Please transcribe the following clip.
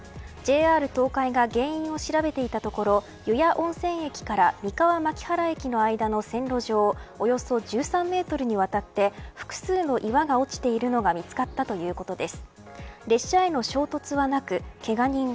ＪＲ東海が原因を調べていたところ湯谷温泉駅から三河槇原行きの線上およそ１３メートルにわたって複数の岩が落ちているのが見つかったということです。